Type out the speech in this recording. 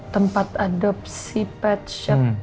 tempat adopsi pet shop